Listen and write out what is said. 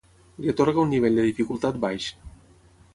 li atorga un nivell de dificultat baix